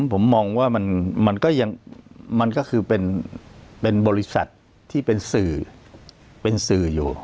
ผมมองว่ามันก็ยังมันก็คือเป็นบริษัทที่เป็นสื่อเป็นสื่ออยู่